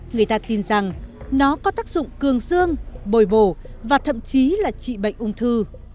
người ta tin rằng nó có tác dụng cương dương bồi bổ và thậm chí là trị bệnh ung thư